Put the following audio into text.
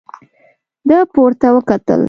ده پورته وکتل.